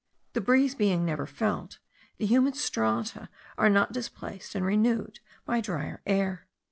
The breeze being never felt, the humid strata are not displaced and renewed by dryer air.